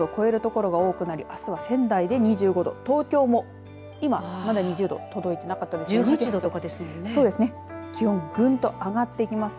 ２５度を超える所が多くなりあすは仙台で２５度東京も今まだ２０度届いていなかったですが、２８度です。